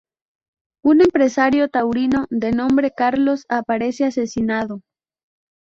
Un empresario taurino, de nombre Carlos, aparece asesinado.